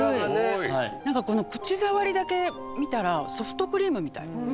何かこの口触りだけ見たらソフトクリームみたい。